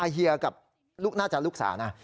เฮียกับลูกน่าจะลูกสาวนะ